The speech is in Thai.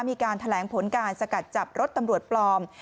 มีการแถลงผลการสกัดจับรถตำรวจปลอม